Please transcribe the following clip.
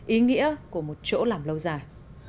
ý nghĩa của một chỗ làm lâu dài